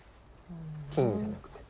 金じゃなくて。